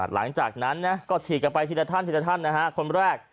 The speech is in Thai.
หลังจากนั้นก็ฉีดกันไปที่แต่ท่านคนแรก